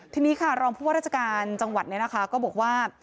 ทีนี้ค่ะรองผู้ว่าราชการจังหวัดก็บอกว่า